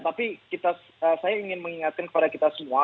tapi saya ingin mengingatkan kepada kita semua